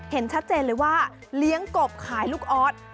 เห็นชัดเจนเลยว่าเลี้ยงกบขายลูกออส